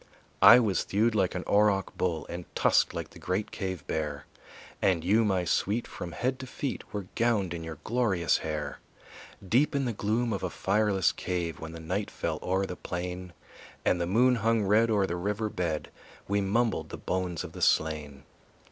I was thewed like an Auroch bull And tusked like the great cave bear; And you, my sweet, from head to feet Were gowned in your glorious hair. Deep in the gloom of a fireless cave, When the night fell o'er the plain And the moon hung red o'er the river bed We mumbled the bones of the slain.